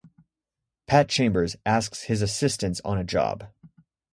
Pat Chambers, asks his assistance on a job.